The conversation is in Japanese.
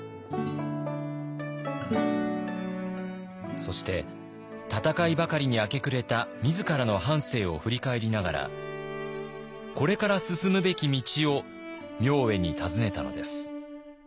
そして戦いばかりに明け暮れた自らの半生を振り返りながらこれから進むべき道を明恵に尋ねたのです。